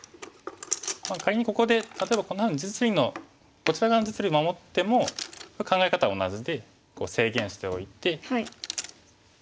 仮にここで例えばこんなふうに実利のこちら側の実利を守っても考え方は同じで制限しておいて。